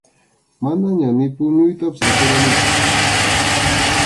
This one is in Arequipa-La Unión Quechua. Manañam ni puñuytapas atirqanichu.